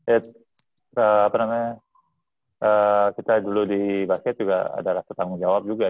eh apa namanya kita dulu di basket juga ada rasa tanggung jawab juga